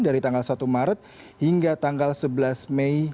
dari tanggal satu maret hingga tanggal sebelas mei